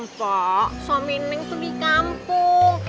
kok suami neng tuh di kampung